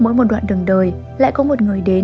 mỗi một đoạn đường đời lại có một người đến